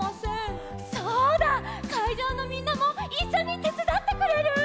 そうだ！かいじょうのみんなもいっしょにてつだってくれる？